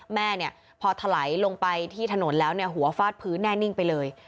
แม่พอถลายลงไปที่ถนนแล้วหัวฟาดพื้นแน่นิ่งไปเลย